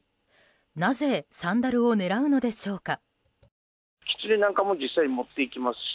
なぜ、サンダルを狙うのでしょうか。